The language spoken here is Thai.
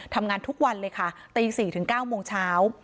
ทำงานทุกวันเลยค่ะตี๔ถึง๙โมงเช้า